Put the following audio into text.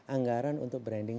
anggaran untuk branding